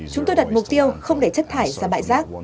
chúng tôi đặt mục tiêu không để chất thải ra bãi rác